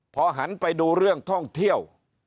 พอหันไปดูเรื่องท่องเที่ยว